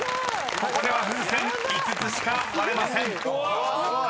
ここでは風船５つしか割れません］